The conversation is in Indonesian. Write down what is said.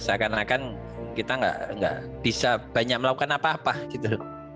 seakan akan kita nggak bisa banyak melakukan apa apa gitu